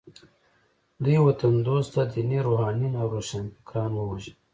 دوی وطن دوسته ديني روحانيون او روښانفکران ووژل.